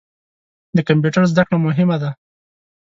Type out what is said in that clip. د کمپیوټر زده کړه مهمه ده.